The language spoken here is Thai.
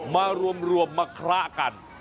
มารวมมาคละกัน